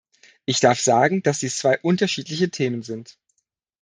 Ich darf sagen, dass dies zwei unterschiedliche Themen sind.